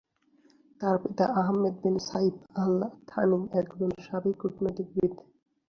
তার পিতা Ahmed bin Saif Al Thani একজন সাবেক কূটনীতিবিদ।